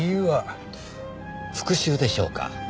復讐でしょうか。